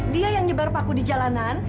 dia yang nyebar paku di jalanan